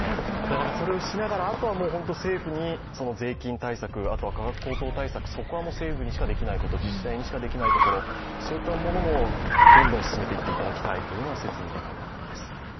それをしながらあとはもう本当に政府に税金対策、価格高騰対策、そこは政府にしかできないところ、自治体にしかできないところ、そういったものもどんどん進めていってほしいという切に願います。